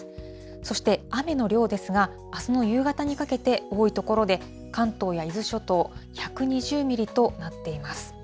そして、雨の量ですが、あすの夕方にかけて多い所で関東や伊豆諸島１２０ミリとなっています。